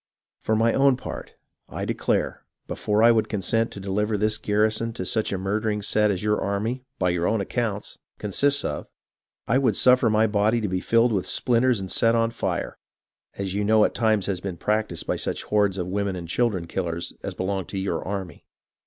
For my own part, I declare, before I would con sent to deliver this garrison to such a murdering set as your army, by your own accounts, consists of, I would suffer my body to be filled with splinters and set on fire, as you know has at times been practised by such 1 98 HISTORY OF THE AMERICAN REVOLUTION hordes of women and children killers as belong to your army."